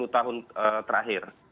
sepuluh tahun terakhir